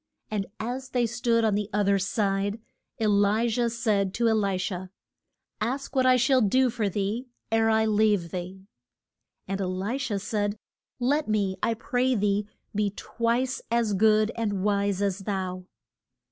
And as they stood on the oth er side, E li jah said to E li sha, Ask what I shall do for thee, ere I leave thee. And E li sha said, Let me, I pray thee, be twice as good and wise as thou.